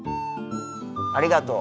ありがとう。